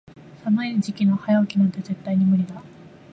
寒い時期の早起きなんて絶対に無理だ。